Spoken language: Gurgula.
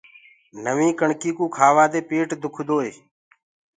نوينٚ ڪڻڪي ڪوُ کآوآ دي پيٽ دُکدو هي۔